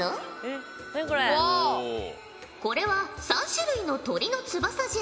これは３種類の鳥の翼じゃ。